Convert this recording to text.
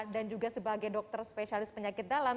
dan juga sebagai dokter spesialis penyakit dalam